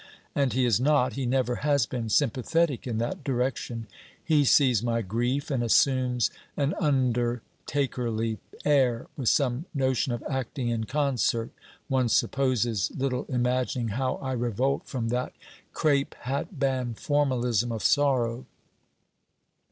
And he is not, he never has been, sympathetic in that direction. He sees my grief, and assumes an undertakerly air, with some notion of acting in concert, one supposes little imagining how I revolt from that crape hatband formalism of sorrow!